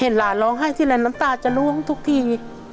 เห็นหลานร้องไห้ที่แล้วน้ำตาจะล้วงทุกที